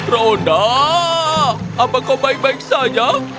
roda apa kau baik baik saja